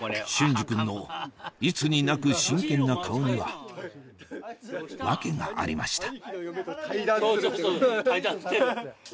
隼司君のいつになく真剣な顔には訳がありました